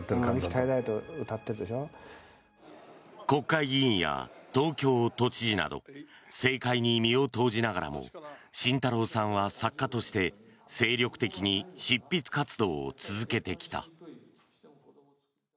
国会議員や東京都知事など政界に身を投じながらも慎太郎さんは作家として精力的に執筆活動を続けてきた。